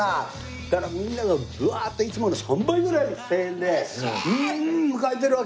そしたらみんながブワーッ！といつもの３倍ぐらいの声援で迎えてるわけ。